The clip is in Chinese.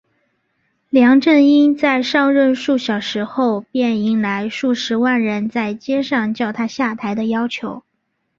梁振英在上任数小时后便迎来数十万人在街上叫他下台的要求。